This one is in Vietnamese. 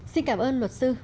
xin cảm ơn luật sư